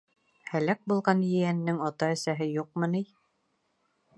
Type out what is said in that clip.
Һәләк булған ейәненең ата-әсәһе юҡмы ни?